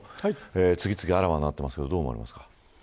次々あらわになってますがどう思われますか。